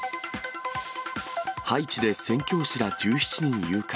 ハイチで宣教師ら１７人誘拐。